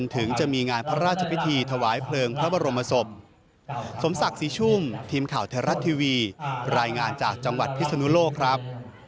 ทีมข่าวแทรรัตทีวีรายงานจากจังหวัดพิษณุโลกครับ